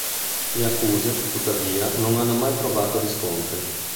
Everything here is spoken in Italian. Le accuse, tuttavia, non hanno mai trovato riscontri.